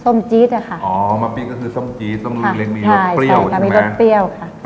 ส้มจี๊ดค่ะอ๋อมะปรี๊ดก็คือส้มจี๊ดส้มรุ่นเรียงมีรสเปรี้ยวใช่ไหมใช่ค่ะมีรสเปรี้ยวค่ะ